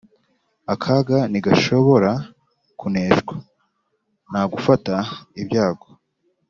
akaga ntigashobora kuneshwa nta gufata ibyago